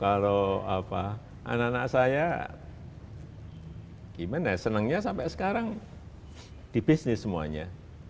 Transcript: kalau apa anak anak saya gimana senangnya sampai sekarang di bisnis semuanya